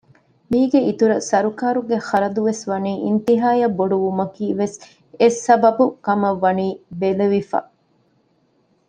މީގެ އިތުރަށް ސަރުކާރުގެ ޚަރަދުވެސް ވަނީ އިންތިހާއަށް ބޮޑު ވުމަކީވެސް އެއް ސަބަބު ކަމަށް ވަނީ ބެލެވިފަ